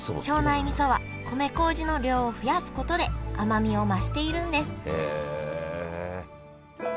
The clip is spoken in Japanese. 庄内みそは米こうじの量を増やすことで甘みを増しているんですへえ！